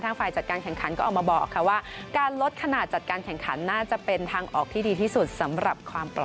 ฝ่ายจัดการแข่งขันก็ออกมาบอกค่ะว่าการลดขนาดจัดการแข่งขันน่าจะเป็นทางออกที่ดีที่สุดสำหรับความปล